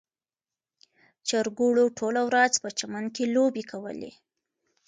چرګوړو ټوله ورځ په چمن کې لوبې کولې.